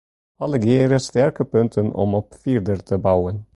Allegearre sterke punten om op fierder te bouwen.